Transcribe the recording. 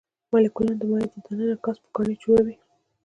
مالیکولونه د مایع د ننه ګاز پوکڼۍ جوړوي.